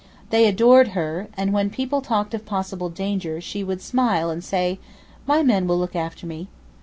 They adored her, and when people talked of possible danger she would smile and say: 'My men will look after me.